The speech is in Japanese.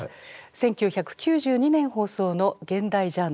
１９９２年放送の「現代ジャーナル